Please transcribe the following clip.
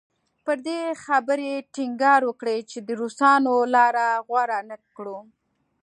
پر دې خبرې ټینګار وکړي چې د روسانو لاره غوره نه کړو.